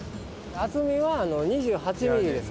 厚みは２８ｍｍです